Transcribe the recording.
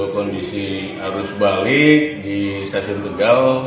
kondisi arus balik di stasiun tegal